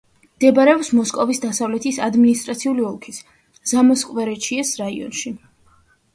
მდებარეობს მოსკოვის დასავლეთის ადმინისტრაციული ოლქის ზამოსკვორეჩიეს რაიონში.